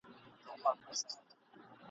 یېګانه چي له آزادي زندګۍ سي !.